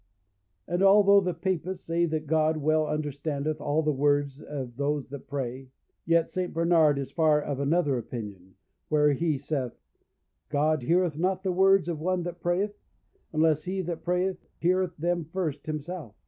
And although the Papists say that God well understandeth all the words of those that pray, yet St. Bernard is far of another opinion, where he saith, "God heareth not the words of one that prayeth, unless he that prayeth heareth them first himself."